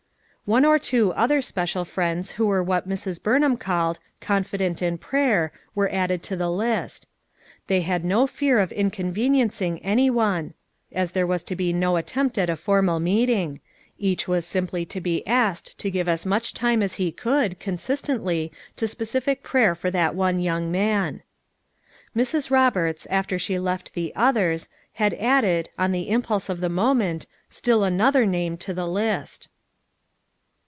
One or two other special friends who were what Mrs. Burnham called "confident in prayer," were added to the list. They had no fear of in conveniencing any one, as there was to be no attempt at a formal meeting; each was simply to be asked to give as much time as he could consistently to specific prayer for that one young man. Mrs. Eoberts, after she left the others, had added, on the impulse of the moment, still an other name to the list.